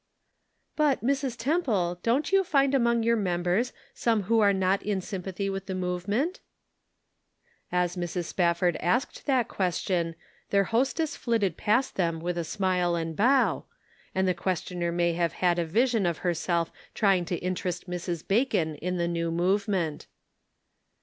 " But, Mrs. Temple don't you find among your members some who are not in sympathy with the movement ?" As Mrs. Spafford asked that question their hostess flitted past them with a smile and bow, and the questioner may have had a vision of herself trying to interest Mrs. Bacon in the new movement.